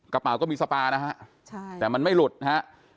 กระเป๋าก็มีสปานะฮะใช่แต่มันไม่หลุดนะฮะ